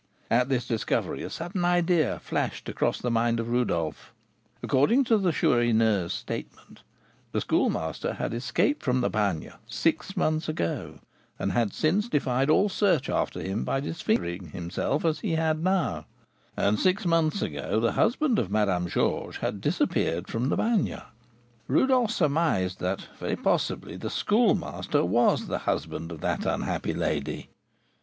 At this discovery, a sudden idea flashed across the mind of Rodolph. According to the Chourineur's statement, the Schoolmaster had escaped from the Bagne six months ago, and had since defied all search after him by disfiguring himself as he had now; and six months ago the husband of Madame Georges had disappeared from the Bagne. Rodolph surmised that, very possibly, the Schoolmaster was the husband of that unhappy lady.